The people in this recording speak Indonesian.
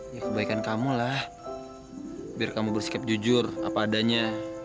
ya kebaikan kamu lah biar kamu bersikap jujur apa adanya